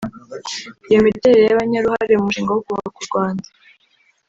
Iyo miterere y’abanyaruhare mu mushinga wo kubaka u Rwanda